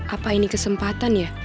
apa ini kesempatan ya